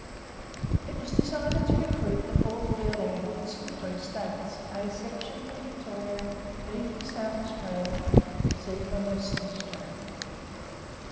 It was decided to recruit the Fourth Field Ambulance from three States, A Section from Victoria, B from South Australia, C from Western Australia.